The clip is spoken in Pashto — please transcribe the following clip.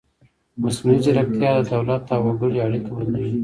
مصنوعي ځیرکتیا د دولت او وګړي اړیکه بدلوي.